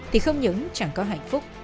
thì không những chẳng có hạnh phúc